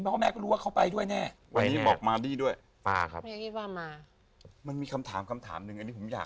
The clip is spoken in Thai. เจ้าหน้าที่แล้วนะครับครับป้าที่เขาสนสูตรศพนะครับ